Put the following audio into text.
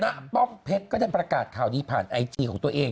ป้อมเพชรก็ได้ประกาศข่าวดีผ่านไอจีของตัวเอง